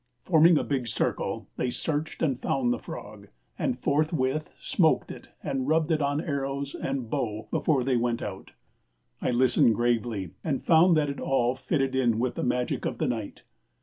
Forming a big circle, they searched and found the frog, and forthwith smoked it and rubbed it on arrows and bow before they went out. I listened gravely and found that it all fitted in with the magic of the night.